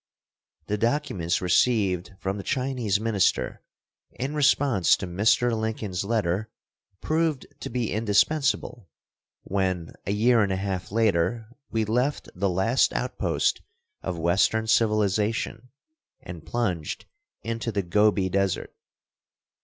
The documents received from the Chinese minister in response to Mr. Lincoln's letter proved to be indispensable when, a year and a half later, we left the last outpost of western civilization and plunged into the Gobi desert.